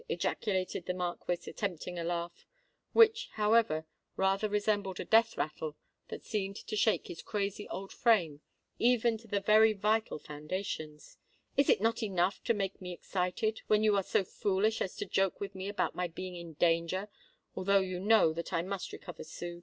ejaculated the Marquis, attempting a laugh—which, however, rather resembled a death rattle that seemed to shake his crazy old frame even to the very vital foundations: "is it not enough to make me excited, when you are so foolish as to joke with me about my being in danger—although you know that I must recover soon?